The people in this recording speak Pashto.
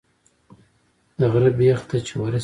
د غره بیخ ته چې ورسېدم.